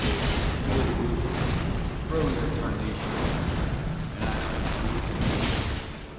Davis, "O Reuben, Grow's a tarnation blackguard, and I've concluded to clinch him."